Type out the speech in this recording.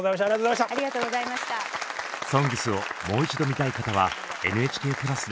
「ＳＯＮＧＳ」をもう一度見たい方はＮＨＫプラスで。